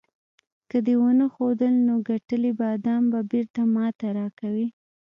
که دې ونه ښودل، نو ګټلي بادام به بیرته ماته راکوې.